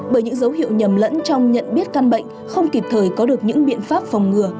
bởi những dấu hiệu nhầm lẫn trong nhận biết căn bệnh không kịp thời có được những biện pháp phòng ngừa